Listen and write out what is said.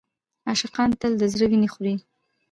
عاشقان تل د زړه وینه خوري.